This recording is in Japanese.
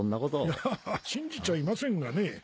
いやあ信じちゃいませんがね。